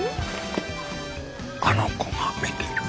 あの子が見てる。